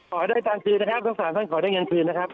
ขอให้ได้เงินคืนนะครับสงสารขอให้ได้เงินคืนนะครับ